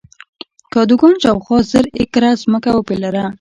کادوګان شاوخوا زر ایکره ځمکه وپېرله.